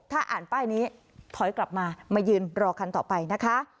ถ้าอ่านป้ายนี้ถอยกลับมามายืนรอคันต่อไปนะคะ